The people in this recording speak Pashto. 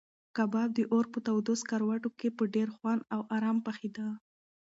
کباب د اور په تودو سکروټو کې په ډېر خوند او ارام پخېده.